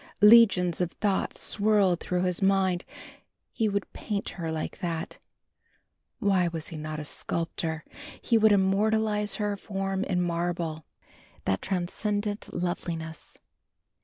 Legions of thoughts swirled through his mind. He would paint her like that. Why was he not a sculptor? He would immortalise her form in marble. What transcendent loveliness!